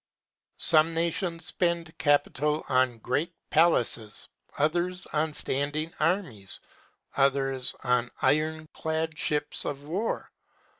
Some nations spend capital on great palaces, others on standing armies, others on iron clad ships of war.